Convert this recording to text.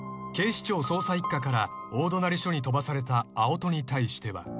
警視庁捜査一課から大隣署に飛ばされた青砥に対しては］